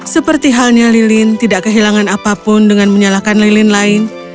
seperti halnya lilin tidak kehilangan apapun dengan menyalahkan lilin lain